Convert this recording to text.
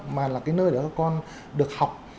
mà là cái nơi để con được học